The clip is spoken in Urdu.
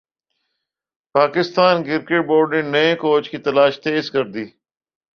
پاکستان کرکٹ بورڈ نے نئے کوچ کی تلاش تیز کر دی